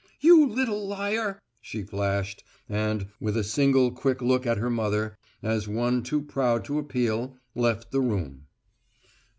"You little liar!" she flashed, and, with a single quick look at her mother, as of one too proud to appeal, left the room.